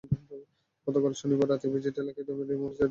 গতকাল শনিবার রাতে ইপিজেড এলাকায় রিমন দেবকে ছুরিকাঘাত করে খুন করা হয়।